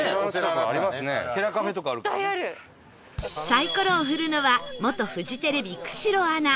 サイコロを振るのは元フジテレビ久代アナ